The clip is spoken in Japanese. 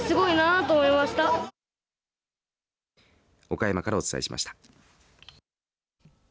岡山からお伝えしました。